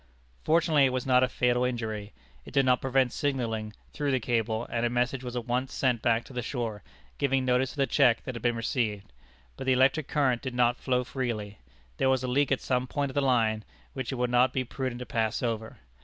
Fortunately it was not a fatal injury. It did not prevent signalling through the cable, and a message was at once sent back to the shore, giving notice of the check that had been received. But the electric current did not flow freely. There was a leak at some point of the line which it would not be prudent to pass over.